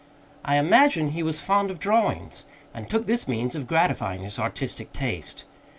I imagine he was fond of drawings, and took this means of gratifying his artistic taste.